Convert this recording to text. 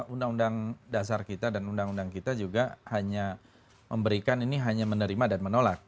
undang undang dasar kita dan undang undang kita juga hanya memberikan ini hanya menerima dan menolak